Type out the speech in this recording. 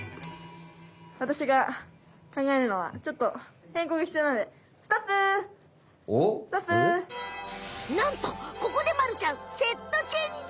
わたしが考えるのはちょっとへんこうがひつようなのでなんとここでまるちゃんセットチェンジ！